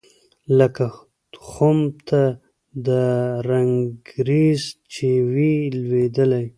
لکه خُم ته د رنګرېز چي وي لوېدلی